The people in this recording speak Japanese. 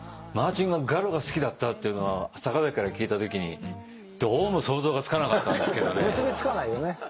マーチンがガロが好きだったって坂崎から聞いたときにどうも想像がつかなかったんですけどね。